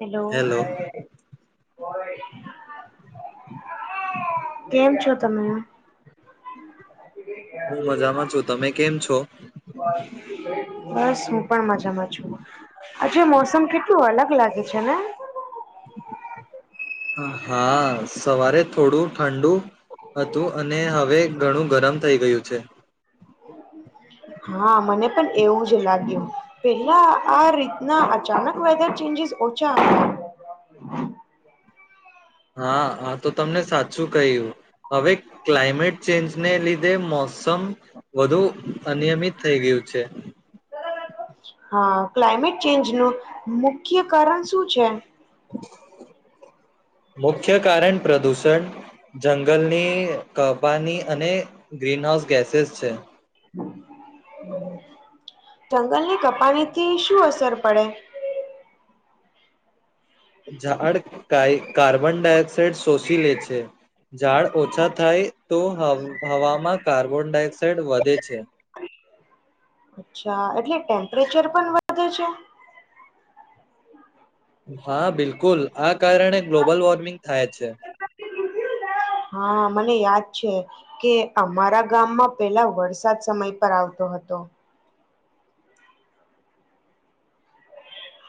Hello. કેમ છો તમે? હું મજામાં છું. તમે કેમ છો? બસ હું પણ મજામાં છુ. આજુ મોસમ કેટલું અલગ લાગે છે ને? હા સવારે થોડું ઠંડુ હતું અને હવે ઘણું ગરમ થઇ ગયું છે. હા, મને પણ એવું જ લાગ્યું પેલા આ રીતના અચાનક વેધર ચેન્જીસ ઓછા હતા. હા હા તો તમને સાચું કહ્યું હવે ક્લાયમેટ ચેન્જને લીધે મોસમ વધુ અનિયમિત થઈ ગયું છે. હા ક્લાઇમેટ ચેન્જ નું મુખ્ય કારણ શું છે? મુખ્ય કારણ પ્રદુષણ જંગલની કબાની અને ગ્રીન હાઉસ કેસેસ છે. જંગલની કપાની થી શું અસર પડે? ઝાડ કાઈ કાર્બન ડાયોક્સાઇડ શોષી લે છે. ઝાડ ઓછા થાય તો હબ હવામાં કાર્બન ડાયઓક્સ અચ્છા એટલે ટેમ્પરેચર પણ વધે છે. હા બિલકુલ. આ કારણે ગ્લોબલ વોર્મિંગ થાય છે. હા મને યાદ છે કે અમારા ગામમાં પેલા વરસાદ સમય પર આવતો હતો.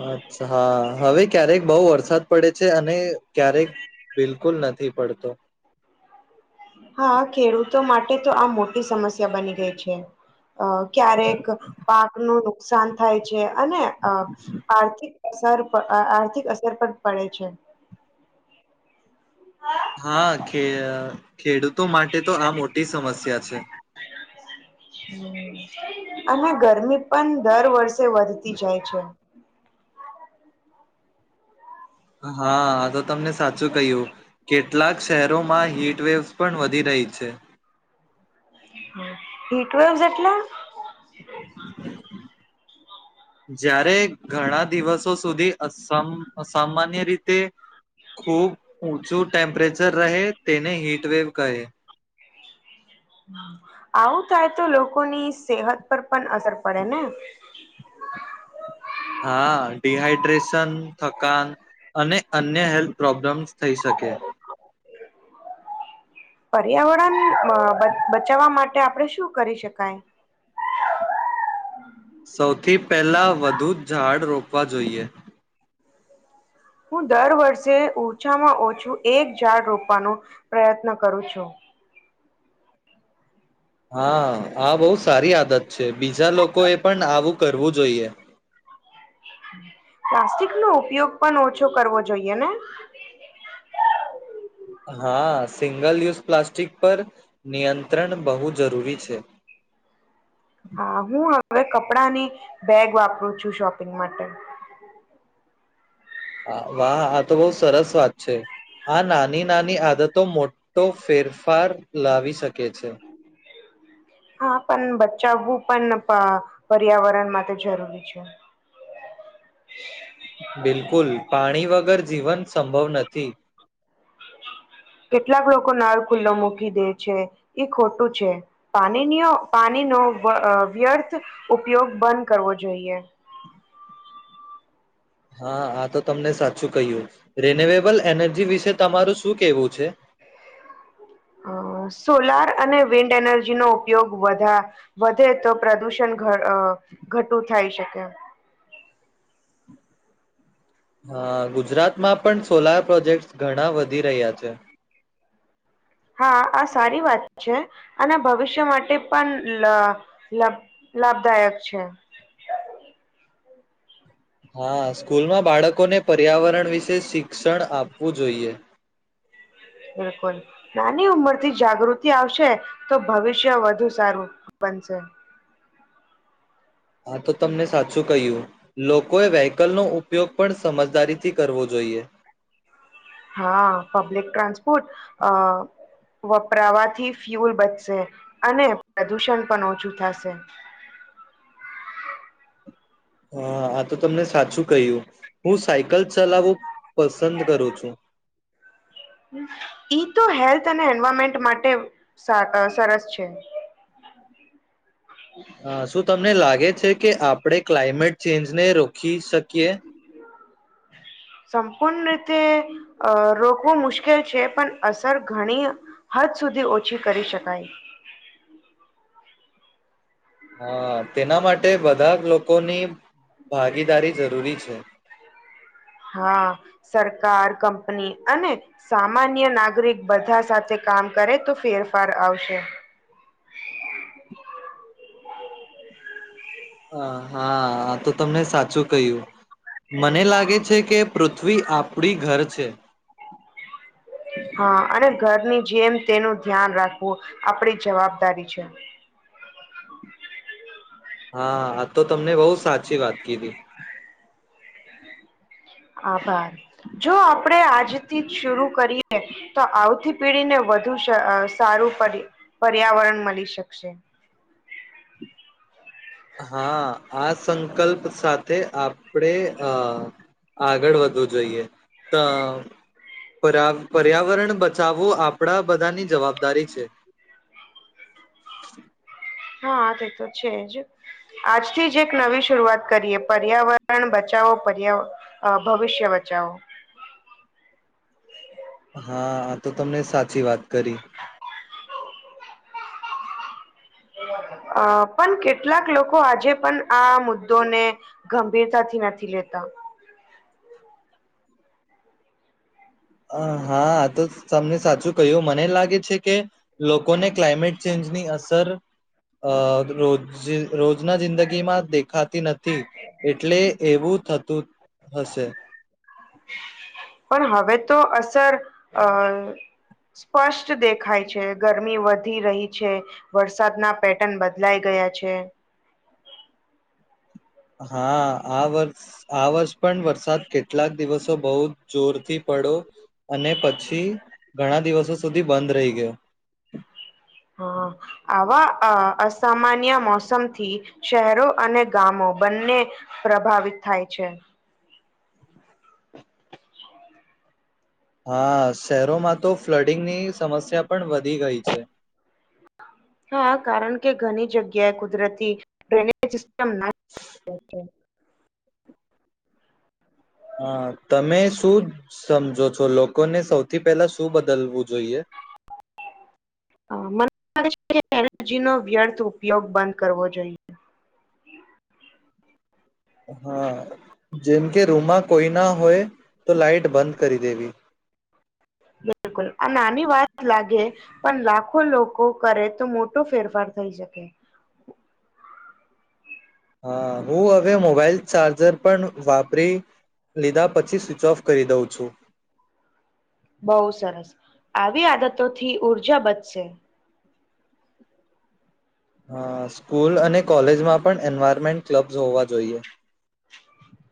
હા અચ્છા હા હવે ક્યારેક બઉ વરસાદ પડે છે અને ક્યારેક બિલકુલ નથી પડત. પડતો. હા ખેડૂતો માટે તો આ મોટી સમસ્યા બની ગઈ છે. અ ક્યારેક પાક નો નુકસાન થાય છે અને અ આર્થિક અસર આર્થિક અસર પર પડે છે. હા કે ખેડૂતો માટે તો આ મોટી સમસ્યા છે. હમમ અને ગરમી પણ દર વર્ષે તો વધતી જાય છે. હા તો તમને સાચું કહ્યું કેટલાક શહેરોમાં હીટવેવસ પણ વધી રહી છે. હા હીટવેવસ એટલે જયારે ઘણા દિવસો સુધી અસમ અસામાન્ય રીતે ખૂબ ઊંચું ટેમ્પરેચર રહે. તેને હિટવેવ કહે. આવું થાય તો લોકોની સેહત પર પણ અસર પડે ને. [inaudible] હા ડિહાઈડ્રેશન, થકાન અને અન્ય હેલ્થ પ્રોબ્લેમ્સ થઈ શકે. પર્યાવરણ અ બચાવવા માટે આપડે શું કરી શકાય? સૌથી પહેલા વધુ ઝાડ રોપવા જોઈએ. હું દર વર્ષે ઓછામાં ઓછું એક ઝાડ રોપવાનો પ્રયત્ન કરું છું. હા આ બો સારી આદત છે. બીજા લોકો એ પણ આવું કરવું જોઈએ. પ્લાસ્ટિક નો ઉપયોગ પણ ઓછો કરવો જોઈએ ને. હા સિંગલ યુઝ પ્લાસ્ટિક પર નિયંત્રણ બહુ જરૂરી છે. હા હું હવે કપડાની બેગ વાપરું છું શોપિંગ માટે. વાહ આ તો બો સરસ વાત છે. આ નાની નાની આદતો મોટો ફેરફાર લાવી શકે. સકે છે. હા પણ બચાવવું પણ પન પર્યાવરણ માટે જરૂરી છે. બિલકુલ પાણી વગર જીવન સંભવ નથી. કેટલાક લોકો નાળ ખુલ્લો મૂકી દે છે એ ખોટું છે પાણી પાણીનો વ્યર્થ ઉપયોગ બંધ કરવો જોઈએ હા આ તો તમને સાચું કહ્યું રિન્યુએબલ એનર્જી વિશે તમારું શું કેવું છે અ સોલાર અને વિન્ડ એનર્જીનો ઉપયોગ વધા વધે તો પ્રદુષણ ઘટું થાય શકે હા ગુજરાતમાં પણ સોલાર પ્રોજેક્ટ ઘણા વધી રહ્યા છે હા આ સારી વાત છે અને ભવિષ્ય માટે પણ લ લાભદાયક છે હા સ્કૂલમાં બાળકોને પર્યાવરણ વિશે શિક્ષણ આપવું જોઈએ બિલકુલ નાની ઉંમર થી જાગૃતિ આવશે તો ભવિષ્ય વધુ સારું બનશે હા તો તમને સાચું કહ્યું લોકોએ વ્હકલ ન ઉપ ઉપયોગ પણ સમજદારી થી કરવો જોઈએ હા પબ્લિક ટ્રાન્સપોર્ટ અ વપરાવાથી ફ્યુલ બચશે અને પ્રદૂષણ પણ ઓછું થશે હા આ તો તમને સાચું કહ્યું હું સાયકલ ચલાવવું પસંદ કરું છું ઈ તો હેલ્થ અને એન્વારમેન્ટ માટે સરસ છે હા શું તમને લાગે લે છે કે આપણે ક્લાયમેટ ચેન્જને રોકી શકીએ કે સંપૂર્ણ રીતે અ રોકવું મુશ્કેલ છે પણ અસર ઘણી હદ સુધી ઓછી કરી શકાય હા તેના માટે બધા લોકોની ભાગીદારી જરૂરી છે હા સરકાર કંપની અને સામાન્ય નાગરિક બધા સાથે કામ કરે તો ફેરફાર આવશે હ હા તો તમને સાચું કહ્યું મને લાગે છે કે પૃથ્વી આપણી ઘર છે હા અને ઘરની જેમ તેનું ધ્યાન રાખવું આપડી જવાબદારી છે હા આ તો તમને બહુ સાચી અછી વાત ક હતી આભાર જો આપણેે આજથી જ શર કરીએ તો આવતી પેઢી ને વધુ સારું પર પર્યાવરણ મળી શકશે હા આજ સંકલ્પ સાથે આપ આપપણેે આ આગળ વધવું જોઈએ તો પર્યા પર્યાવરણ બચાવવું આપણા બધાની જવાબદારી છે હા તે તો છે જ આજથી જ એક નવી શરૂઆત કરીએ પર્યાવરણ બચાવો પર્યા ભવિષ્ય બચાવો હા તો તમને સાચી વાત કરી અ પણ કેટલાક લોકો આજે પણ આ મુદ્દોને ગંભીરતાથી નથી લેતા અ હા તો તમને સાચું કહ્યું મને લાગે છે કે લોકોને ક્લાયમેટ ચેન્જની અસર અ રોજ રોજના જિંદગી માં દેખા. નથી એટલે એવું. તું હશે. પણ હવે તો અસર અહ સ્પષ્ટ દેખાય છે. ગરમી વધી રહી છે. વરસાદના પેટર્ન બદલાઈ ગયા છે. હા, આ વર્ષ આ વર્ષ પણ વરસાદ કેટલાક દિવસ તો બહુ જોરથી પડો અને પછી ઘણા દિવસો સુધી બંધ રહી ગયો. હા, આવા અહ અસામાન્ય મોસમથી શહેરો અને ગામો બંને પ્રભાવિત થાય છે. હા, શહેરોમાં તો ફ્લડિંગની સમસ્યા પણ વધી ગઈ છે. હા, કારણ કે ઘણી જગ્યાએ કુદરતી ડ્રેનેજ સમ ના [inaudible] હા, તમે શું સમજો છો લોકોને સૌથી પહેલા શું બદલવું જોઈએ? અહ મને લાગે છે કે એનર્જીનો વ્યર્થ ઉપયોગ બંધ કરવો જોઈએ. હા જેમ. કે રૂમમાં કોઈ ના હોય તો લાાઈટ બંધ કરી દેવી. બિલકુલ આ નાની વાત લાગે પણ લાખો લોકો કરે તો મોટો ફેરફાર થઈ શકે. હા હું હવે મોબાઈલ ચાર્જર પણ વાપરી લીધા પછી સ્વિચ ઓફ કરી દઉં છું. બહુ સરસ આવી આદતો થી ઉઊર્જા બચશે. હા સ્કૂલ અને કોલેજમાં પણ એન્વાયરમેન્ટ ક્લબ્સ હોવા જોઈએ.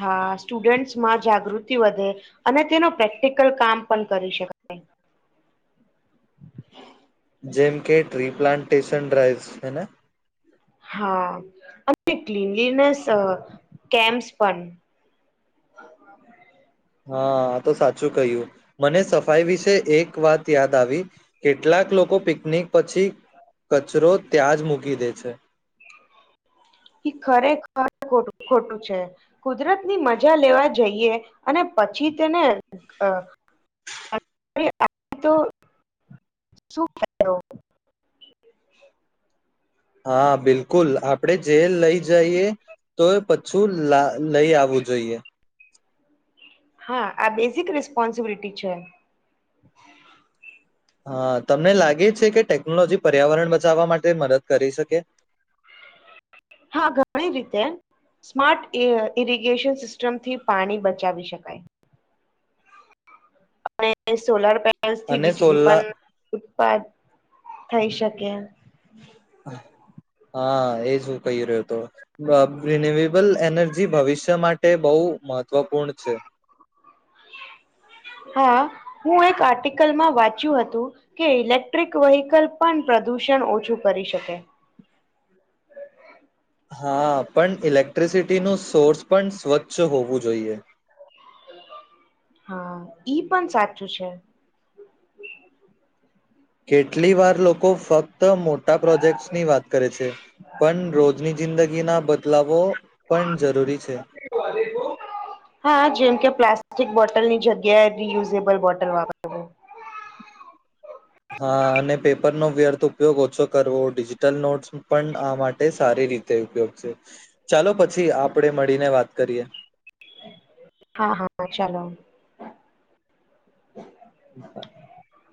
હા સ્ટુડન્ટસમાં જાગૃતિ વધે અને તેનો પ્રેક્ટિકલ કામ પણ કરી શકાય. જેમ કે ટ્રી પ્લાન્ટેશન ડ્રાઈવ હે ને. હા અને ક્નલીનેસ કેમસ પણ. હા તો સાચું કહ્યું મને સફાઈ વિશે એક વાત યાદ આવી કેટલાક લોકો પિકનિક પછી કચરો ત્યાં જ મૂકી દે છે. એ ખરેખર ખું ખોટું છે કુદરત ની મજા લેવા જઈએ અને પછી તેને અ આટલું અ શું કહેવું. હા બિલકુલ આપડે જેલ લઈ જ. જઈએ તો પછું લઈ આવવું જોઈએ. હા આ બેઝિક રિસ્પોન્સિબિલિટી છે. હા તમને લાગે છે કે ટેકનોલોજી પર્યાવરણ બચાવવા માટે મદદ કરી શકે. હા ઘણી રીતે સ્માર્ટ ઇરિગેશન સિસ્ટમથી પાણી બચાવી શકાય. અને સોલાર પેનલ સોલર પેનલ્સ થી અને બીજળ સોલા પણ ઉત્પાદ થઈ શકે. હા એજું કહી રહ્યો હતો. રિન્યુએબલ એનર્જી ભવિષ્ય માટે બહુ મહત્વપૂર્ણ છે. હા હું એક આર્ટિકલમાં વાંચ્યું હતું કે ઇલેક્ટ્રિક વહીકલ પણ પ્રદુષણ ઓછું કરી શકે. હા પણ ઇલેક્ટ્રિસિટીનું સોર્સ પણ સ્વચ્છ હોવું જોઈએ. હા, ઈ પણ સાચું છે. કેટલી વાર લોકો ફક્ ત તો મોટા પ્રોજેક્ટની વાત કરે છે. પણ રોજની જિંદગીના બધ બદલાવો પણ જરૂરી છે. હા, જેમ કે પ્લાસ્ટિક બોટલ ની જગ્યાએ રિયુઝેબલ બોટલ વાપરવું. હા, અને પેપરનો વ્યર્થ ઉપયોગ ઓછો કરવો ડિજિટલ નોટ્સ પણ આ માટે સારી રીતે ઉપયોગ છે. ચાલો પછી આપડે મળીને વાત કરીએ. હા હા ચાલો. [inaudible]